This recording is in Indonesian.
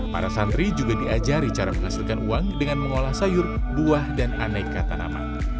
para santri juga diajari cara menghasilkan uang dengan mengolah sayur buah dan aneka tanaman